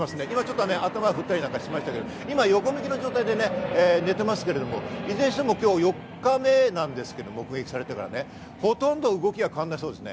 今、頭を振ったりしましたけれども、横向きの状態で寝てますけど、いずれにしても４日目なんですけれども、ほとんど動きは変わらないそうですね。